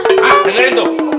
hah dengerin tuh